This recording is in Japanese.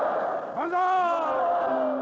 万歳！